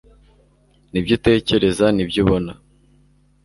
Nibyo utekereza nibyo ubona